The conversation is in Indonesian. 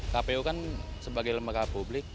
kpu kan sebagai lembaga publik